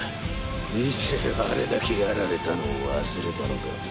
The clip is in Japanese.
以前あれだけやられたのを忘れたのか？